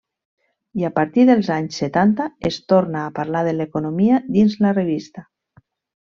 I a partir dels anys setanta es torna a parlar de l'economia dins la revista.